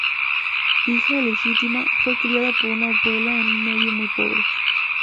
Hija ilegítima, fue criada por una abuela en un medio muy pobre.